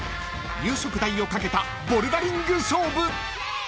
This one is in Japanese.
［夕食代をかけたボルダリング勝負］